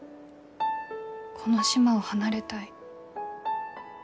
この島を離れたい。